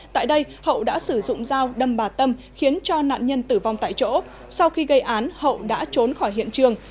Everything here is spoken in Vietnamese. tại đây hậu đã sử dụng dao đâm bà tâm khiến cho nạn nhân tử vong tại chỗ sau khi gây án hậu đã trốn khỏi hiện trường